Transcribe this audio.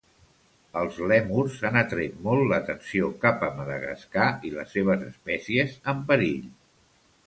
Els lèmurs han atret molt l'atenció cap a Madagascar i les seves espècies en perill.